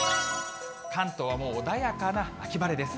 関東はもう穏やかな秋晴れです。